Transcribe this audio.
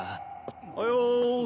おはよす。